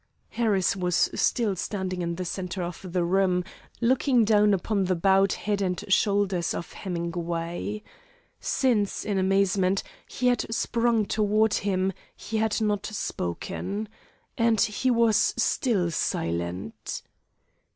Harris was still standing in the centre of the room looking down upon the bowed head and shoulders of Hemingway. Since, in amazement, he had sprung toward him, he had not spoken. And he was still silent.